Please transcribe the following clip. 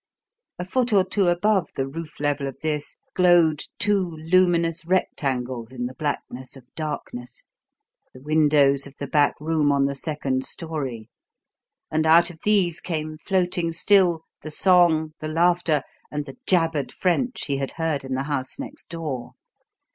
A foot or two above the roof level of this glowed two luminous rectangles in the blackness of darkness the windows of the back room on the second storey; and out of these came floating still the song, the laughter, and the jabbered French he had heard in the house next door.